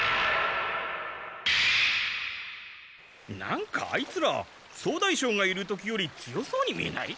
なんかあいつら総大将がいる時より強そうに見えない？